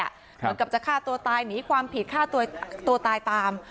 เหมือนกับจะฆ่าตัวตายหนีความผิดฆ่าตัวตายตาม